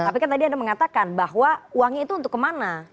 tapi kan tadi anda mengatakan bahwa uangnya itu untuk kemana